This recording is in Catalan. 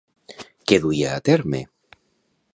Què duia a terme?